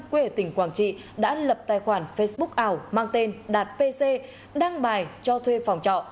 quê ở tỉnh quảng trị đã lập tài khoản facebook ảo mang tên đạt pc đăng bài cho thuê phòng trọ